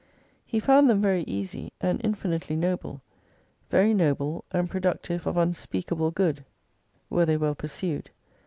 He found them very easy, and infinitely noble : very noble, and productive of unspeakable good, were they well 277 pursued.